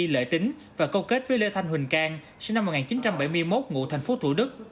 lợi tính và câu kết với lê thanh huỳnh cang sinh năm một nghìn chín trăm bảy mươi một ngụ thành phố thủ đức